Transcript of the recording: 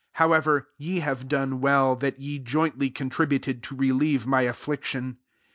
14 However; ye have done well, that ye jointly contributed to relieve my affliction.